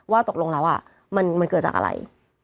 ว่าตกลงแล้วมันเกิดจากอะไร